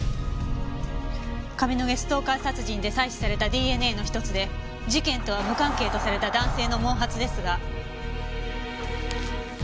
上野毛ストーカー殺人で採取されたＤＮＡの１つで事件とは無関係とされた男性の毛髪ですが。